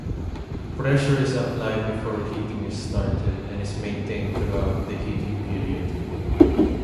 Pressure is applied before heating is started and is maintained throughout the heating period.